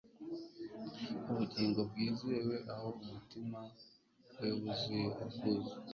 ubugingo bwizewe, aho umutima we wuzuye ubwuzu